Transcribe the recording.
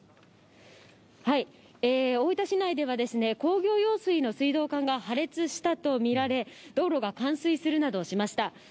大分市内では、工業用水の水道管が破裂したと見られ、道路が冠水するなどしました。